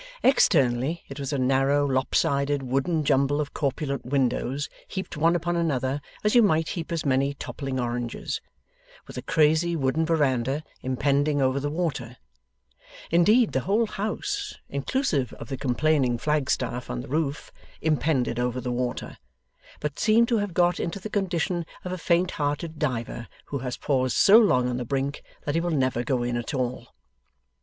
Externally, it was a narrow lopsided wooden jumble of corpulent windows heaped one upon another as you might heap as many toppling oranges, with a crazy wooden verandah impending over the water; indeed the whole house, inclusive of the complaining flag staff on the roof, impended over the water, but seemed to have got into the condition of a faint hearted diver who has paused so long on the brink that he will never go in at all.